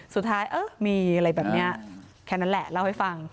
เออมีอะไรแบบนี้แค่นั้นแหละเล่าให้ฟัง